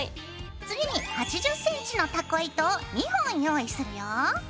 次に８０ｃｍのたこ糸を２本用意するよ。